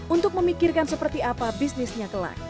untuk memikirkan seperti apa bisnisnya ke lain